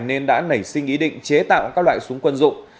nên đã nảy sinh ý định chế tạo các loại súng quân dụng